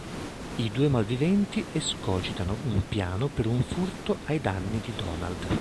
I due malviventi escogitano un piano per un furto ai danni di Donald.